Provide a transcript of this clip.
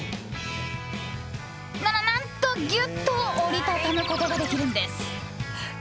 何と、ぎゅっと折り畳むことができるんです。